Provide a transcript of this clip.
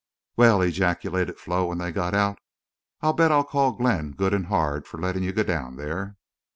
"Well," ejaculated Flo, when they got out, "I'll bet I call Glenn good and hard for letting you go down there."